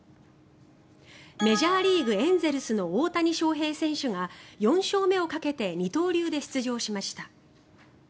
メジャーリーグエンゼルスの大谷翔平選手が４勝目をかけて二刀流で出場しました。